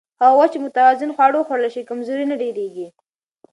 هغه وخت چې متوازن خواړه وخوړل شي، کمزوري نه ډېریږي.